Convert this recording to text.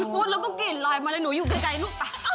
พูดแล้วก็กลิ่นลอยมาเลยหนูอยู่ไกลลูก